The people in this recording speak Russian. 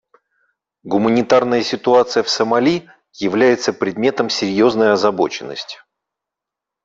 Гуманитарная ситуация в Сомали является предметом серьезной озабоченности.